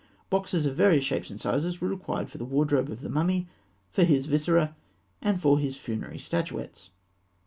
Boxes of various shapes and sizes were required for the wardrobe of the mummy, for his viscera, and for his funerary statuettes.